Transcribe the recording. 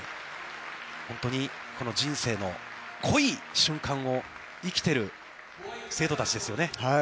本当にこの人生の濃い瞬間を生きてる生徒たちですよね。